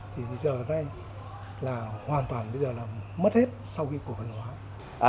thì giờ đây là hoàn toàn bây giờ là mất hết sau khi cổ phần hóa